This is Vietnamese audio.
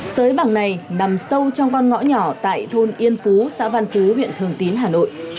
sới bằng này nằm sâu trong con ngõ nhỏ tại thôn yên phú xã văn phú huyện thường tín hà nội